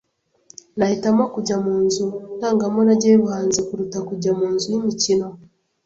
Nahitamo kujya mu nzu ndangamurage yubuhanzi kuruta kujya mu nzu yimikino.